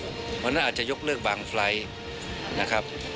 เพราะฉะนั้นอาจจะยกเลิกบางไฟล์นะครับ